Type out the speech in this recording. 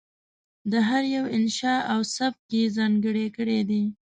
د هر یوه انشأ او سبک یې ځانګړی کړی دی.